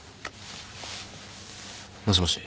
もしもし。